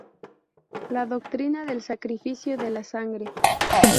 La doctrina del sacrificio de la sangre.